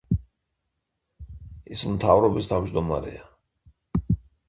ის მთავრობის თავმჯდომარეა.